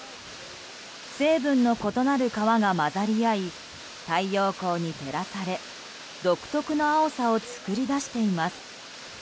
成分の異なる川が混ざり合い太陽光に照らされ独特の青さを作り出しています。